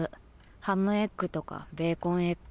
ハムエッグとかベーコンエッグ。